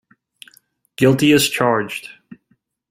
Guilty as charged.